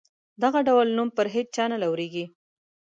دغه ډول نوم پر هیچا نه لورېږي.